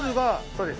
そうです。